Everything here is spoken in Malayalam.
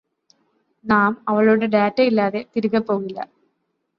നാം അവളുടെ ഡാറ്റ ഇല്ലാതെ തിരികെ പോകില്ല